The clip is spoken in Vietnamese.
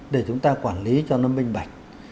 để chúng ta quản lý cho nó bình bạch